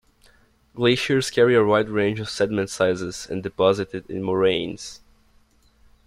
Glaciers carry a wide range of sediment sizes, and deposit it in moraines.